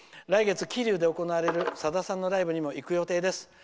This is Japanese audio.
「来月、桐生で行われるさださんのライブにも行く予定です。